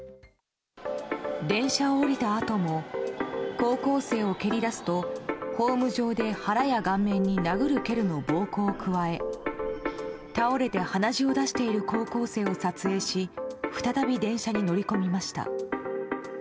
電車を降りたあとも高校生を蹴りだすとホーム上で、腹や顔面に殴る蹴るの暴行を加え倒れて鼻血を出している高校生を撮影し再び電車に乗り込みました。